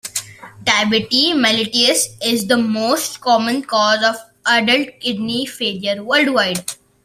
Diabetes mellitus is the most common cause of adult kidney failure worldwide.